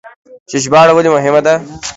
چې ژباړه ولې مهمه ده؟